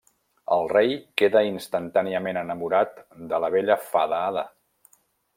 El rei queda instantàniament enamorat de la bella fada Ada.